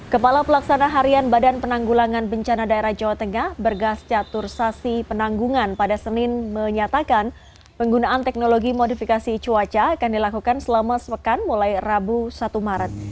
kepala pelaksana harian badan penanggulangan bencana daerah jawa tengah bergas catur sasi penanggungan pada senin menyatakan penggunaan teknologi modifikasi cuaca akan dilakukan selama sepekan mulai rabu satu maret